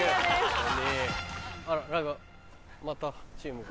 あら何かまたチームが。